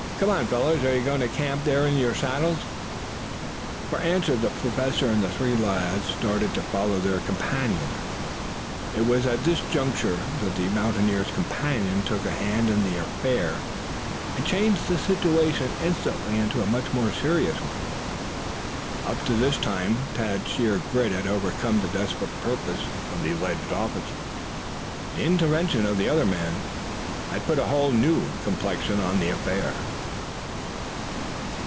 "Come on, fellows. Are you going to camp there in your saddles?" For answer the Professor and the three lads started to follow their companion. It was at this juncture that the mountaineer's companion took a hand in the affair and changed the situation instantly into a much more serious one. Up to this time Tad's sheer grit had overcome the desperate purpose of the alleged officer. The intervention of the other man had put a new complexion on the affair.